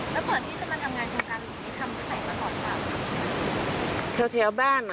แล้วตอนที่จะมาทำงานทางการลูกจะทำที่ไหนมาก่อนครับ